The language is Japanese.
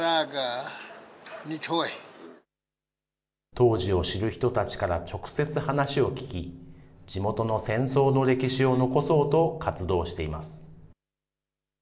当時を知る人たちから直接話を聞き、地元の戦争の歴史を残そうと活動しています。